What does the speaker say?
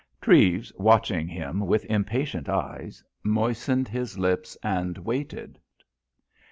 Treves, watching him with impatient eyes, moistened his lips and waited.